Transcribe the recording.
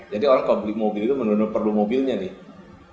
jadi orang kalau beli mobil itu menurut perlu mobilnya nih